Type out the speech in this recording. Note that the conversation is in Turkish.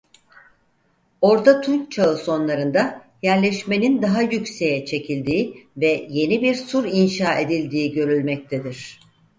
Orta Tunç Çağı sonlarında yerleşmenin daha yükseğe çekildiği ve yeni bir sur inşa edildiği görülmektedir.